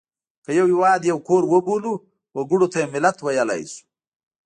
که یو هېواد یو کور وبولو وګړو ته یې ملت ویلای شو.